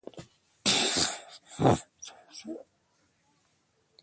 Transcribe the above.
مینه دې پاتې شي.